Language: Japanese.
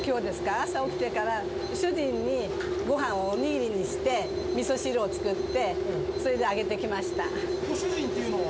朝起きてから、主人に、ごはんをお握りにして、みそ汁を作って、それであげてきご主人っていうのは？